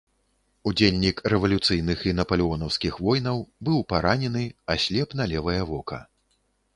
Удзельнік рэвалюцыйных і напалеонаўскіх войнаў, быў паранены, аслеп на левае вока.